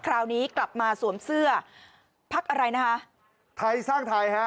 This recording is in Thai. คราวนี้กลับมาสวมเสื้อภักดิ์อะไรนะฮะ